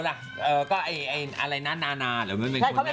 เรื่องของเรื่องคือ